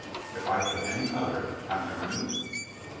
If he had any other, I never knew it.